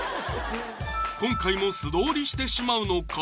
今回も素通りしてしまうのか？